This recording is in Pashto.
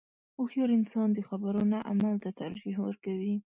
• هوښیار انسان د خبرو نه عمل ته ترجیح ورکوي.